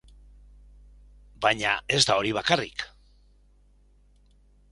Baina ez da hori bakarrik.